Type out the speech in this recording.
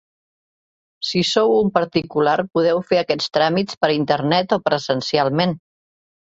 Si sou un particular podeu fer aquest tràmit per internet o presencialment.